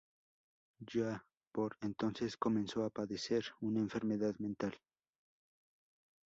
Ya por entonces comenzó a padecer una enfermedad mental.